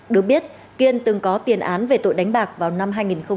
được biết kiên từng có tiền án về tội đánh bạc vào năm hai nghìn một mươi